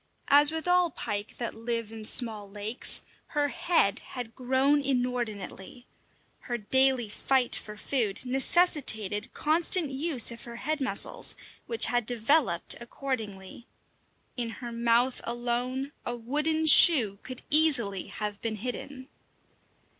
As with all pike that live in small lakes, her head had grown inordinately. Her daily fight for food necessitated constant use of her head muscles, which had developed accordingly. In her mouth alone a wooden shoe could easily have been hidden.